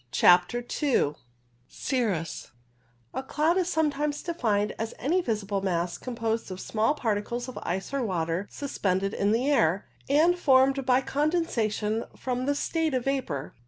CHAPTER II CIRRUS A CLOUD is sometimes defined as any visible mass composed of small particles of ice or water sus pended in the air, and formed by condensation from the state of vapour.